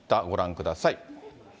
ご覧ください。